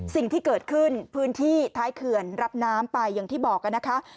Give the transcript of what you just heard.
สิ่งที่เกิดขึ้นพื้นที่ท้ายเขื่อนรับน้ำไปอย่างที่บอกนะคะ